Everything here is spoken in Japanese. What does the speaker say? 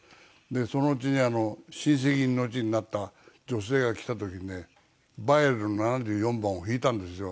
でそのうちにあの親戚にのちになった女性が来た時にね『バイエル』の７４番を弾いたんですよ